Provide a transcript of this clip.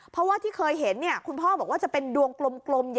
เพราะว่าที่เคยเห็นคุณพ่อบอกว่าจะเป็นดวงกลม